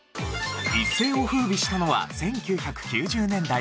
一世を風靡したのは１９９０年代後半。